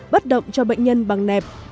một bắt động cho bệnh nhân bằng nẹp